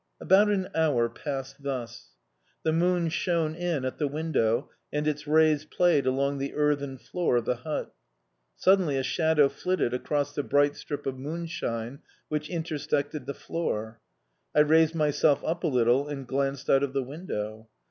About an hour passed thus. The moon shone in at the window and its rays played along the earthen floor of the hut. Suddenly a shadow flitted across the bright strip of moonshine which intersected the floor. I raised myself up a little and glanced out of the window.